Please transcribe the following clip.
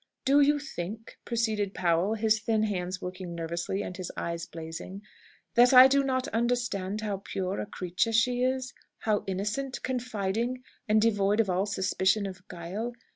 "Do you think," proceeded Powell, his thin hands working nervously, and his eyes blazing, "that I do not understand how pure a creature she is how innocent, confiding, and devoid of all suspicion of guile?